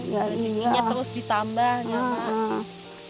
rezeki nya terus ditambah